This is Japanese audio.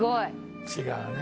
違うね。